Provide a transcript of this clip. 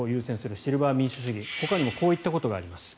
シルバー民主主義、ほかにもこういったことがあります。